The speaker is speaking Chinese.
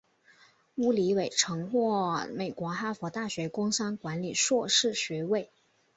乌里韦曾获美国哈佛大学工商管理硕士学位。